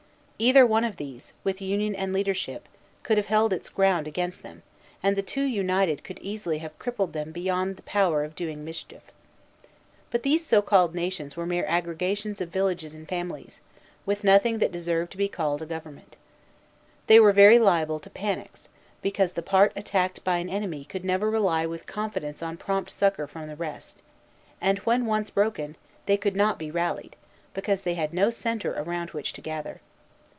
Either one of these, with union and leadership, could have held its ground against them, and the two united could easily have crippled them beyond the power of doing mischief. But these so called nations were mere aggregations of villages and families, with nothing that deserved to be called a government. They were very liable to panics, because the part attacked by an enemy could never rely with confidence on prompt succor from the rest; and when once broken, they could not be rallied, because they had no centre around which to gather.